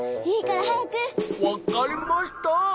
わかりました。